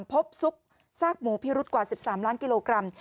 ซุกซากหมูพิรุษกว่า๑๓ล้านกิโลกรัม